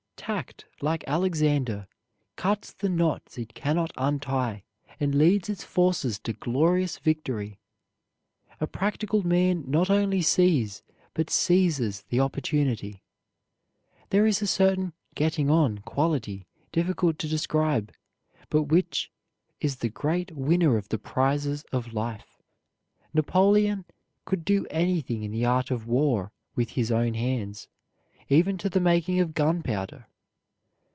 Tact, like Alexander, cuts the knots it cannot untie, and leads its forces to glorious victory. A practical man not only sees, but seizes the opportunity. There is a certain getting on quality difficult to describe, but which is the great winner of the prizes of life. Napoleon could do anything in the art of war with his own hands, even to the making of gunpowder.